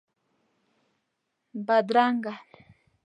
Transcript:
بدرنګه